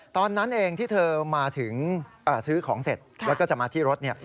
ตอนนั้นเองที่เธอมาถึงซื้อของเสร็จแล้วก็จะมาที่รถ